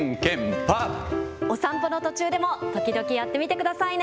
お散歩の途中でも、時々やってみてくださいね。